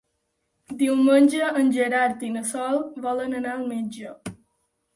Diumenge en Gerard i na Sol volen anar al metge.